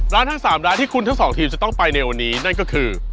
ทั้ง๓ร้านที่คุณทั้งสองทีมจะต้องไปในวันนี้นั่นก็คือ